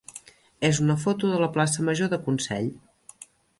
és una foto de la plaça major de Consell.